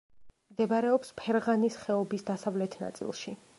მდებარეობს ფერღანის ხეობის დასავლეთ ნაწილში.